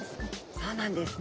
そうなんです。